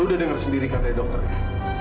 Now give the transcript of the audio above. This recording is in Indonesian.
lu udah denger sendiri kan dari dokternya